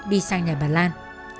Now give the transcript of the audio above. đi sang nhà bà lan